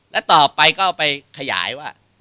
และต่อไปก็ไปขยายว่า